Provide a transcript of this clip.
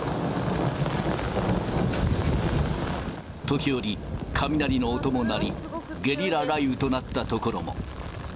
時折、雷の音も鳴り、ゲリラ雷雨となった所も。